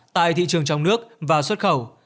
tại thị trường trong nước và xuất khẩu